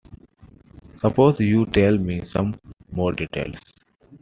Suppose you tell me some more details.